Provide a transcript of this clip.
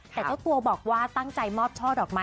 แต่เจ้าตัวบอกว่าตั้งใจมอบช่อดอกไม้